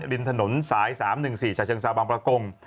ลินถนน๓๑๔ชาชเชิงเศร้าบางประกง